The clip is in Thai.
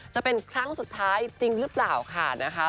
จะเป็นครั้งสุดท้ายจริงหรือเปล่าค่ะนะคะ